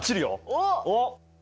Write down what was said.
おっ！